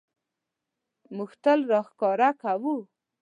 موږ ته راښکاره کاوه.